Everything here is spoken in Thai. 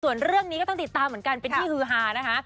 ส่วนเรื่องนี้ก็ต้องติดตามเหมือนกันเป็นที่ฮือฮานะคะ